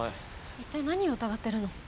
一体何を疑ってるの？